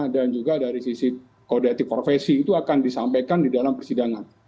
dan juga dari sisi kodetik profesi itu akan disampaikan di dalam persidangan